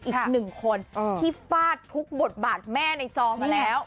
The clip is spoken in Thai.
อีกหนึ่งคนที่ฟาดทุกบทบาทแม่ในจอมาแล้ว